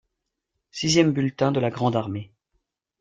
Sixième bulletin de la grande armée.